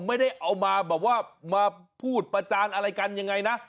ไม่ได้เอามาแบบว่ามาพูดประจานอะไรกันยังไงนะ